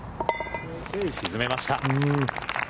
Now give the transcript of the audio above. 沈めました。